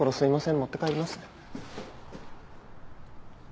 持って帰ります。